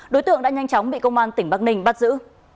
đối tượng đã nhanh chóng bị công an tỉnh bắc ninh bắt giữ